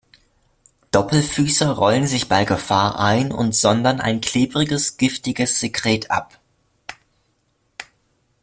Doppelfüßer rollen sich bei Gefahr ein und sondern ein klebriges, giftiges Sekret ab.